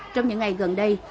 trong những ngày gần đây